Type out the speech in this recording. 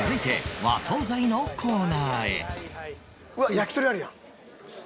焼き鳥あるやん。